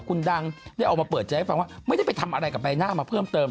คุณดังได้ออกมาเปิดใจให้ฟังว่าไม่ได้ไปทำอะไรกับใบหน้ามาเพิ่มเติม